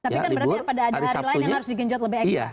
tapi kan berarti pada hari lain yang harus digenjot lebih eksis